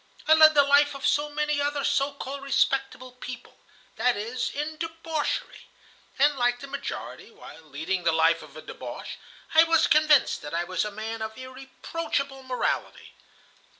I led the life of so many other so called respectable people,—that is, in debauchery. And like the majority, while leading the life of a débauché, I was convinced that I was a man of irreproachable morality.